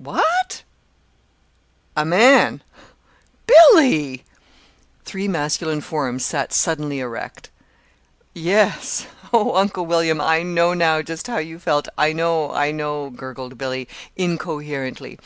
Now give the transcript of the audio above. "Wha at?" "A man!" "Billy!" Three masculine forms sat suddenly erect. "Yes. Oh, Uncle William, I know now just how you felt I know, I know," gurgled Billy, incoherently.